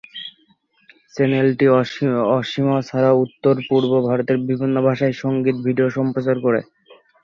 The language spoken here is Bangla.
চ্যানেলটি অসমীয়া ছাড়াও উত্তর-পূর্ব ভারতের বিভিন্ন ভাষার সঙ্গীত ভিডিও সম্প্রচার করে থাকে।